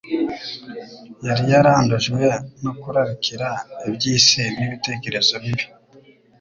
yari yarandujwe no kurarikira iby'isi n'ibitekerezo bibi.